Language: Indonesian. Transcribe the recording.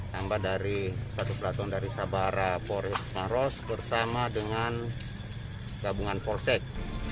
tambah dari satu pelaton dari sabara polres maros bersama dengan gabungan polsek